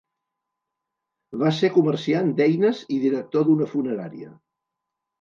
Va ser comerciant d'eines i director d'una funerària.